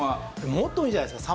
もっと多いんじゃないですか？